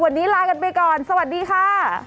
วันนี้ลากันไปก่อนสวัสดีค่ะ